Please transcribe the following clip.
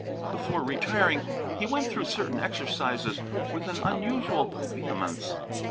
Before retiring he went through certain exercises with an unusual vehemence.